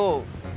tidak ada sasaran